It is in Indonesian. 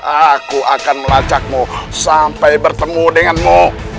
aku akan melacakmu sampai bertemu denganmu